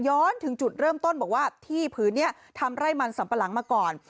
ถึงจุดเริ่มต้นบอกว่าที่ผืนนี้ทำไร่มันสัมปะหลังมาก่อน